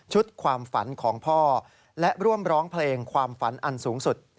ความฝันของพ่อและร่วมร้องเพลงความฝันอันสูงสุด